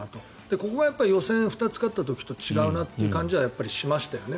ここが予選２つ勝った時と違うなって感じはしましたよね。